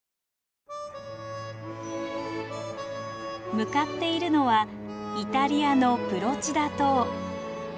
向かっているのはイタリアのプロチダ島。